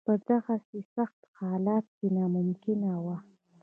په دغسې سخت حالت کې ناممکنه وه.